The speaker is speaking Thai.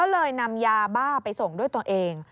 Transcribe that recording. ก็เลยนำยาบ้าไปส่งด้วยตัวเอง